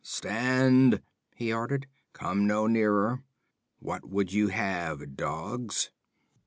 'Stand!' he ordered. 'Come no nearer. What would you have, dogs?'